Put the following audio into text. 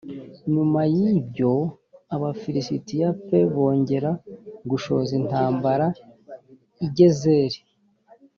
nyuma y ibyo aba lisitiya p bongera gushoza intambara i gezeri